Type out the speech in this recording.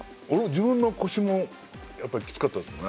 自分の腰もやっぱりきつかったですね